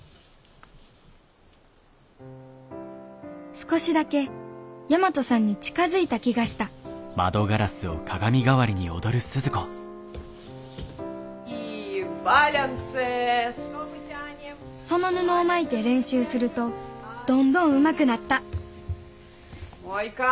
少しだけ大和さんに近づいた気がしたその布を巻いて練習するとどんどんうまくなったもう一回。